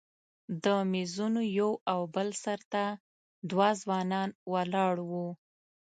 د میزونو یو او بل سر ته دوه ځوانان ولاړ وو.